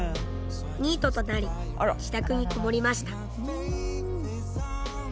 ニートとなり自宅にこもりました。